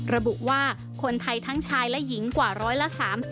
ระบุว่าคนไทยทั้งชายและหญิงกว่าร้อยละ๓๐